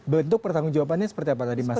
bentuk pertanggung jawabannya seperti apa tadi mas